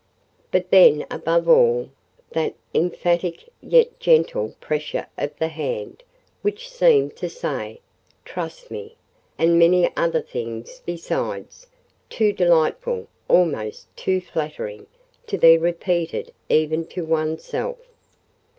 But then, above all, that emphatic, yet gentle pressure of the hand, which seemed to say, "Trust me;" and many other things besides—too delightful, almost too flattering, to be repeated even to one's self.